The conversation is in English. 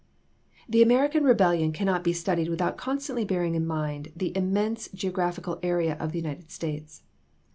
rjlHE American rebellion cannot be studied JL without constantly bearing in mind the im mense geographical area of the United States.